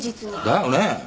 だよね？